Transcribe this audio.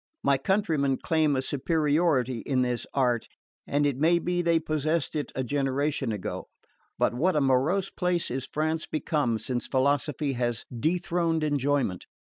My countrymen claim a superiority in this art, and it may be they possessed it a generation ago. But what a morose place is France become since philosophy has dethroned enjoyment!